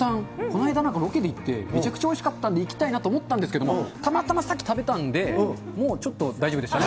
この間、ロケで行って、めちゃくちゃおいしかったんで、行きたいなと思ったんですけども、たまたまさっき食べたんで、もうちょっと、大丈夫でした。